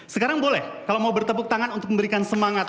sekarang boleh kalau mau bertepuk tangan untuk memberikan semangat